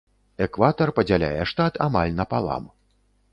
Экватар падзяляе штат амаль напалам.